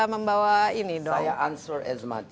membawa ini dong saya answer as much